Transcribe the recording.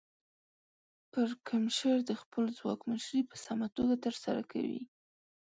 پرکمشر د خپل ځواک مشري په سمه توګه ترسره کوي.